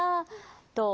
どう？